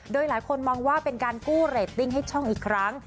โดยหลายคนมองว่าเป็นการกู้เรตติ้งให้ช่องอีกครั้ง